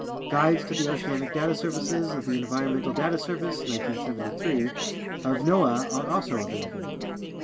Guides to the oceanic data services of the Environmental Data Service (1973) of noaa are also available.